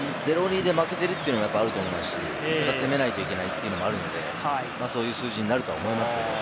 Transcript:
０ー２で負けているというのはあると思いますし、攻めないといけないというのもあるので、そういう数字になると思います。